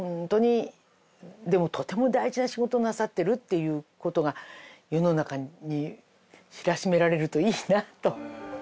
でもとても大事な仕事をなさっているっていう事が世の中に知らしめられるといいなと。